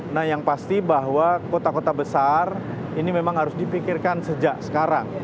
nah yang pasti bahwa kota kota besar ini memang harus dipikirkan sejak sekarang